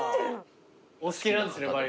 お好きなんですねバリが。